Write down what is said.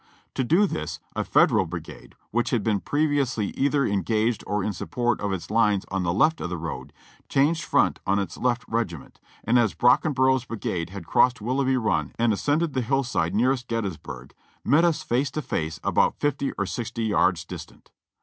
To do this, a Federal brigade, which had been previously either en gaged or in support of its lines on the left of the road, changed front on its left regiment, and as Brockenbrough's brigade had crossed Willoughby Run and ascended the hillside nearest Gettys burg, met us face to face about fifty or sixty yards distant.